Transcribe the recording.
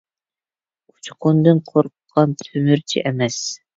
ئۇچقۇندىن قورققان تۆمۈرچى ئەمەس.